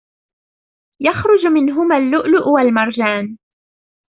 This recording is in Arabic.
يَخرُجُ مِنهُمَا اللُّؤلُؤُ وَالمَرجانُ